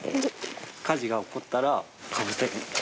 火事が起こったらかぶせる。